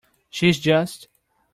She is just.